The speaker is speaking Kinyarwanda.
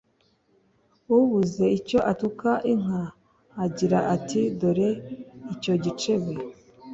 Ubuze icyo atuka inka agira ati dore icyo gicebe.